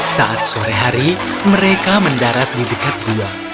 saat sore hari mereka mendarat di dekat gua